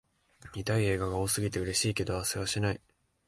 見たい映画が多すぎて、嬉しいけどせわしない